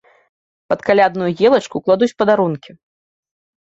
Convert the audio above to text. Пад калядную елачку кладуць падарункі.